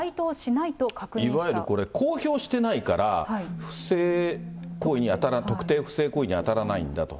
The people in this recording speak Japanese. いわゆるこれ、公表してないから不正行為に、特定不正行為に当たらないんだと。